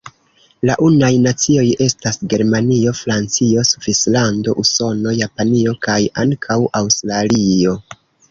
La unuaj nacioj estas Germanio, Francio, Svislando, Usono, Japanio kaj ankaŭ Aŭstralio.